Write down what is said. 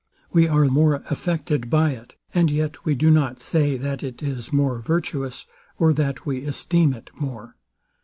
We are more affected by it; and yet we do not say that it is more virtuous, or that we esteem it more.